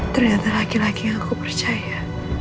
ternyata laki laki yang aku percaya